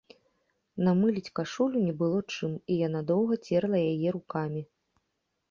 Намыліць кашулю не было чым, і яна доўга церла яе рукамі.